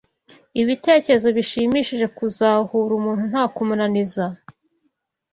ibitekerezo bishimishije kuzahura umuntu nta kumunaniza.